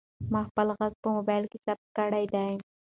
ما خپل غږ په موبایل کې ثبت کړی دی.